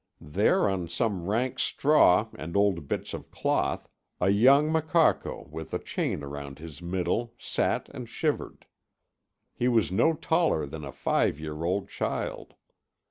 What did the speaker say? There on some rank straw and old bits of cloth, a young macaco with a chain round his middle sat and shivered. He was no taller than a five year old child.